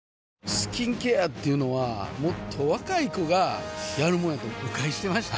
スキンケアっていうのはもっと若い子がやるもんやと誤解してました